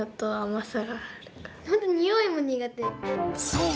そう！